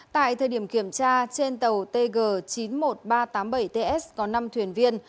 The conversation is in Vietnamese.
tại thời điểm kiểm tra trên tàu tg chín mươi một nghìn ba trăm tám mươi bảy ts có năm thuyền viên